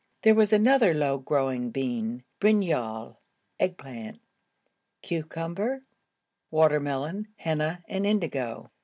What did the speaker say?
There was also another low growing bean, brinjol (egg plant), cucumber, water melon, henna, and indigo.